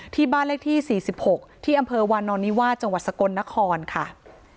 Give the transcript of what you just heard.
ที่บ้านเลขที่๔๖ที่อำเภอวานอนนิวาสจังหวัดสกลนครค่ะ